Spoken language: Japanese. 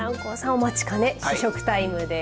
お待ちかね試食タイムです。